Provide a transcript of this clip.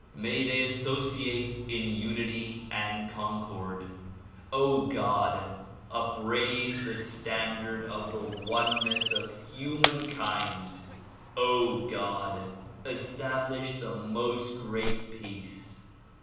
May they associate in unity and concord. God ! upraise the standard of the oneness of humankind. God! establish the "Most Great Peace."